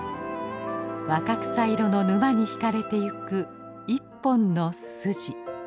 若草色の沼に引かれていく一本の筋。